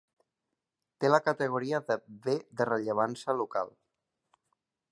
Té la categoria de Bé de Rellevància Local.